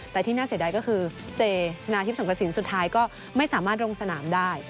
แต่ที่น่าเสียดายก็คือเจชนะทิพย์สงกระสินสุดท้ายก็ไม่สามารถลงสนามได้